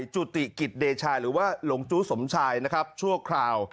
จุติกิตเดชายหรือว่าหลงจูสมชายชั่วคราว